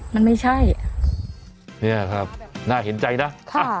มันไม่ใช่เนี่ยครับน่าเห็นใจนะค่ะ